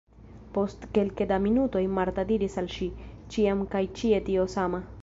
Post kelke da minutoj Marta diris al si: ĉiam kaj ĉie tio sama.